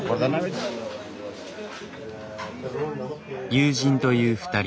友人という２人。